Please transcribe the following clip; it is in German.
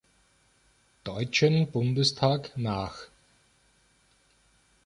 Deutschen Bundestag nach.